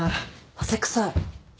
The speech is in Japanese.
汗臭い。